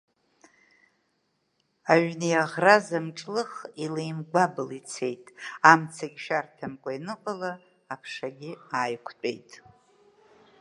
Аҩны иаӷраз амҿлых илеимгәабыл ицеит, амцагьы шәарҭамкәа ианыҟала аԥшагьы ааиқәтәеит.